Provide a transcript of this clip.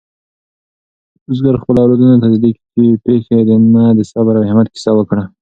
بزګر خپلو اولادونو ته د دې پېښې نه د صبر او همت کیسه وکړه.